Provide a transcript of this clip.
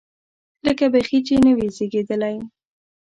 لکه بیخي چې نه وي زېږېدلی.